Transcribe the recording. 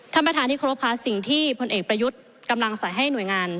ท่านประธานที่เคารพค่ะสิ่งที่พลเอกประยุทธ์กำลังใส่ให้หน่วยงาน